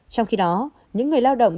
trong khi đó những người lao động